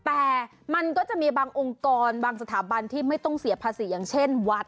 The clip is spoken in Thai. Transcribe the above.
แต่มันก็จะมีบางองค์กรบางสถาบันที่ไม่ต้องเสียภาษีอย่างเช่นวัด